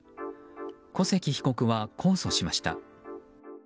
小関被告は控訴しました。